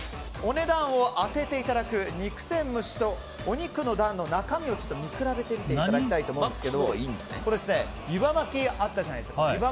お値段を当てていただく肉鮮蒸しとお肉の段の中身を見比べていただきたいんですが湯葉巻きあったじゃないですか。